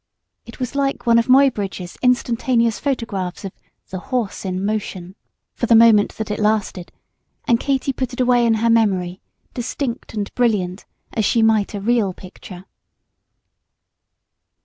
It was like one of Muybridge's instantaneous photographs of "The Horse in Motion," for the moment that it lasted; and Katy put it away in her memory, distinct and brilliant, as she might a real picture.